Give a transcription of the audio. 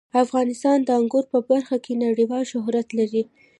افغانستان د انګور په برخه کې نړیوال شهرت لري.